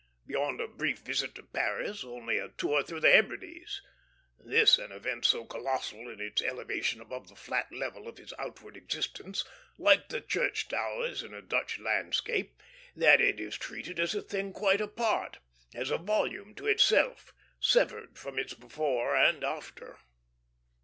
Beyond a brief visit to Paris, only a tour through the Hebrides; this an event so colossal in its elevation above the flat level of his outward existence, like the church towers in a Dutch landscape, that it is treated as a thing quite apart, has a volume to itself, severed from its before and after.